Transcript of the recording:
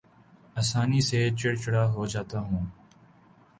آسانی سے چڑ چڑا ہو جاتا ہوں